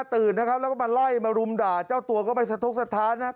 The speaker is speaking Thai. ตื่นนะครับแล้วก็มาไล่มารุมด่าเจ้าตัวก็ไม่สะทกสถานนะครับ